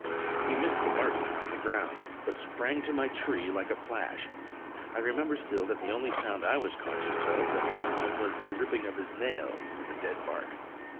He missed the marten on the ground, but sprang to my tree like a flash. I remember still that the only sound I was conscious of at the time was the ripping of his nails in the dead bark.